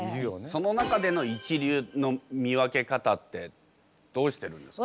その中での一流の見分け方ってどうしてるんですか？